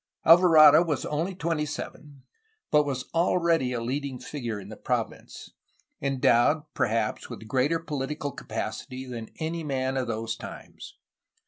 Alvarado was only twenty seven, but was already a leading figure in the province, endowed perhaps with greater political capacity than any man of those times.